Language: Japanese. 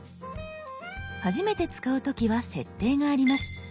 初めて使う時は設定があります。